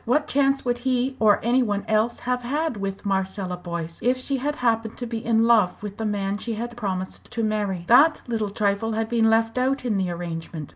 What chance would he or any one else have had with Marcella Boyce, if she had happened to be in love with the man she had promised to marry? That little trifle had been left out in the arrangement.